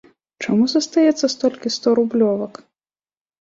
Чаму застаецца столькі сторублёвак?